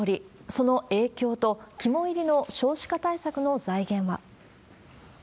その影響と、肝煎りの少子化対策の財源は。